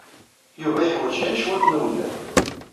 Yuba yeḥwaj kan cwiṭ n uwelleh.